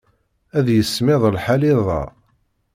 Ad yismiḍ lḥal iḍ-a.